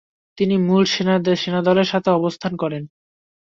তিনি মূল সেনাদলের সাথে অবস্থান করেন।